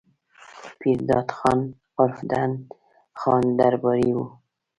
پير داد خان عرف ډنډ خان درباري وو